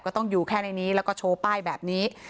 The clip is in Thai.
ต้องอยู่แค่ในนี้แล้วก็โชว์ป้ายแบบนี้